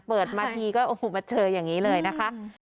เปิดมาทีก็โอ้โหมาเจออย่างนี้เลยนะคะ